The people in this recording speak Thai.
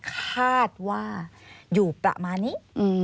คาดว่าอยู่ประมาณนี้